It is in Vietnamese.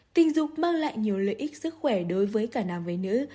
tình dục mang lại nhiều lợi ích sức khỏe đối với cả nam với nữ